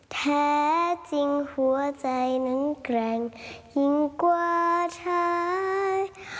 แท้จริงหัวใจนั้นแกร่งยิ่งกว่าเธอ